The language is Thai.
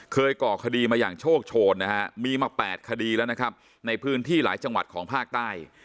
ก่อคดีมาอย่างโชคโชนนะฮะมีมา๘คดีแล้วนะครับในพื้นที่หลายจังหวัดของภาคใต้